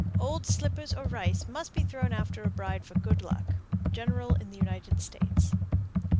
Old slippers or rice must be thrown after a bride for good luck. _General in the United States.